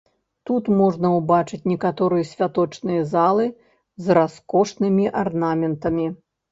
Тут можна ўбачыць некаторыя святочныя залы з раскошнымі арнаментамі.